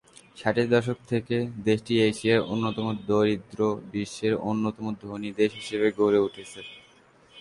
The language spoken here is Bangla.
ষাটের দশক থেকে, দেশটি এশিয়ার অন্যতম দরিদ্র থেকে বিশ্বের অন্যতম ধনী দেশ হিসেবে গড়ে উঠেছে।